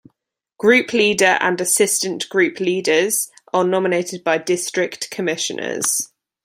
Group leader and assistant group leaders are nominated by District Commissioners.